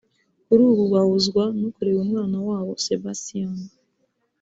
kuri ubu bahuzwa no kurera umwana wabo Sebastian